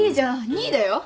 ２位だよ？